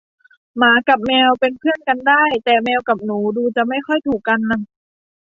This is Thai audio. หมากับแมวเป็นเพื่อนกันได้ แต่แมวกับหนูดูจะไม่ค่อยถูกกัน